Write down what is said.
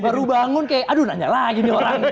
baru bangun kayak aduh nanya lah ini orang